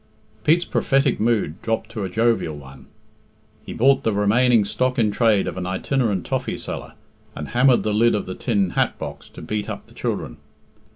Pete's prophetic mood dropped to a jovial one. He bought the remaining stock in trade of an itinerant toffee seller, and hammered the lid of the tin hat box to beat up the children.